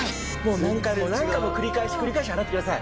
何回も何回も繰り返し繰り返し洗ってください。